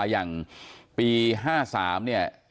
อย่างปี๕๓เนี่ย